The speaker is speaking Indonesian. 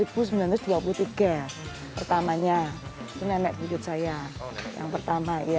pertamanya nenek buyut saya yang pertama